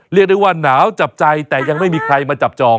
เรียกได้ว่าหนาวจับใจแต่ยังไม่มีใครมาจับจอง